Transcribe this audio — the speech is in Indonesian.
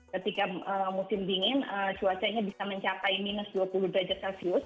ketika musim dingin cuacanya bisa mencapai minus dua puluh derajat celcius